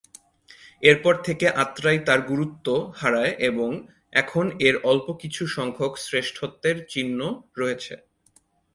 এর পর থেকে আত্রাই তার গুরুত্ব হারায় এবং এখন এর অল্প কিছু সংখ্যক শ্রেষ্ঠত্বের চিহ্ন রয়েছে।